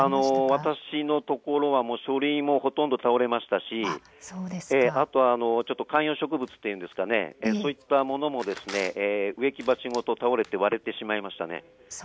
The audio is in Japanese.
私のところは書類もほとんど倒れましたし観葉植物も、そういったものも植木鉢ごと倒れて割れてしまいました。